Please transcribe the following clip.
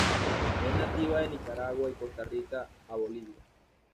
Es nativa de Nicaragua y Costa Rica a Bolivia.